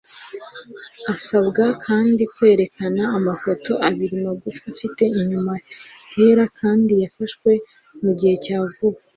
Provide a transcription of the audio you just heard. Asabwa kandi kwerekana amafoto abiri magufa afite inyuma hera, kandi yafashwe mu gihe cya vuba,